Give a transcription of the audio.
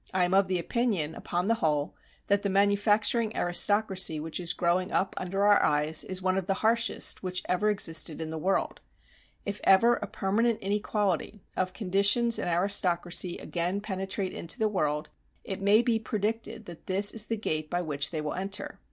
... I am of the opinion, upon the whole, that the manufacturing aristocracy which is growing up under our eyes is one of the harshest which ever existed in the world; ... if ever a permanent inequality, of conditions and aristocracy again penetrate into the world, it may be predicted that this is the gate by which they will enter."